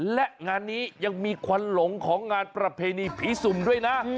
และงานนี้ยังมีควันหลงของงานประเพณีผีสุ่มด้วยนะ